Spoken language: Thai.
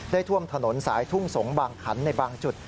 ท่วมถนนสายทุ่งสงบางขันในบางจุด